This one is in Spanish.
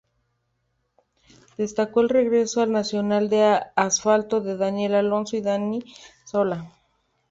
Destacó el regreso al nacional de asfalto de Daniel Alonso y Dani Solá.